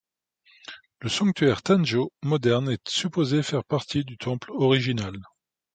Le sanctuaire Tanjō moderne est supposé faire partie du temple original.